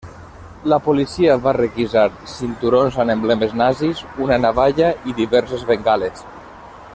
La policia va requisar cinturons amb emblemes nazis, una navalla i diverses bengales.